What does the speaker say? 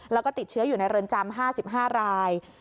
แล้วก็ติดเชื้ออยู่ในเรือนจำ๕๕ราย